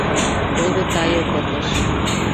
Теве тайыл пытыш.